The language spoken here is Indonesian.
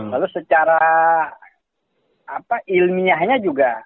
lalu secara ilmiahnya juga